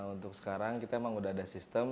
untuk sekarang kita emang udah ada sistem